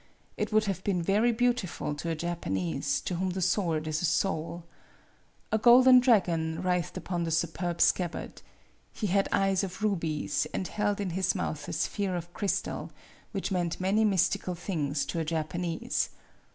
It would have been very beautiful to a Japanese, to whom the sword is a soul. A golden dragon writhed about the superb scabbard. He had eyes of rubies, and held in his mouth a sphere 84 MADAME BUTTERFLY of crystal which meant many mystical things to a Japanese.